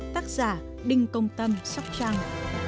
tác giả đinh công tâm sóc trang